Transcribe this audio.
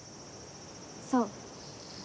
そう。